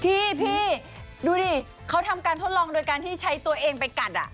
พี่ดูดิเขาทำการทดลองโดยการที่ใช้ตัวเองไปกัด